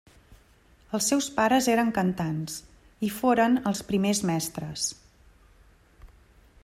Els seus pares eren cantants i foren els primers mestres.